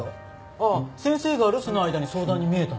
ああ先生が留守の間に相談に見えたんです。